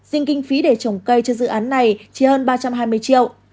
riêng kinh phí để trồng cây cho dự án này chỉ hơn ba trăm hai mươi triệu